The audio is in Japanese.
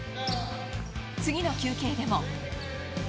次の休憩でも。